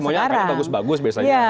bukan semuanya bagus bagus biasanya